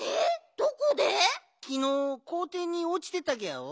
きのうこうていにおちてたギャオ。